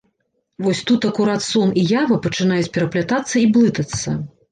Вось тут акурат сон і ява пачынаюць пераплятацца і блытацца.